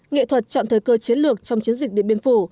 nghệ thuật chọn thời cơ chiến lược trong chiến dịch điện biên phủ